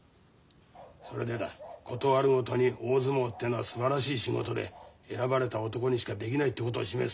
それでだ事あるごとに大相撲ってのはすばらしい仕事で選ばれた男にしかできないってことを示す。